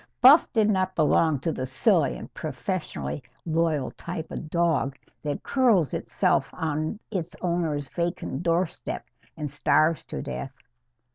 Buff did not belong to the silly and professionally loyal type of dog that curls itself on its owner's vacant doorstep and starves to death.